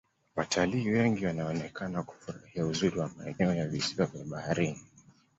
watalii wengi wanaonekana kufurahia uzuri wa maeneo ya visiwa vya baharini